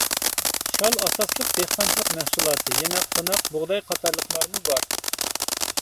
شال ئاساسلىق دېھقانچىلىق مەھسۇلاتى، يەنە قوناق، بۇغداي قاتارلىقلارمۇ بار.